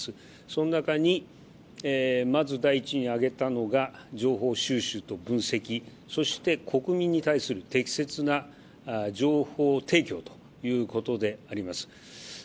その中にまず第一に挙げたのは情報収集と分析そして国民に対する適切な情報提供ということであります。